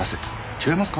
違いますか？